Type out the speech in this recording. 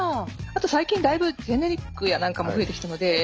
あと最近だいぶジェネリックやなんかも増えてきたので。